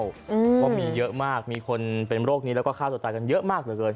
เพราะมีเยอะมากมีคนเป็นโรคนี้แล้วก็ฆ่าตัวตายกันเยอะมากเหลือเกิน